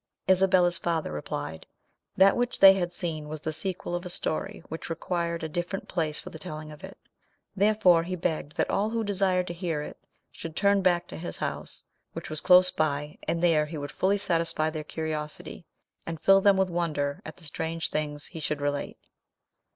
Isabella's father replied, that what they had seen was the sequel of a story which required a different place for the telling of it; therefore, he begged that all who desired to hear it should turn back to his house, which was close by, and there he would fully satisfy their curiosity, and fill them with wonder at the strange things he should relate.